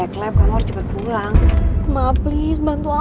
kenapa bisa begitu